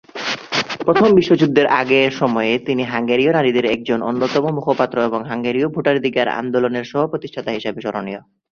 প্রথম বিশ্বযুদ্ধের আগে সময়ে তিনি হাঙ্গেরীয় নারীদের একজন অন্যতম মুখপাত্র এবং হাঙ্গেরীয় ভোটাধিকার আন্দোলনের সহ-প্রতিষ্ঠাতা হিসেবে স্মরণীয়।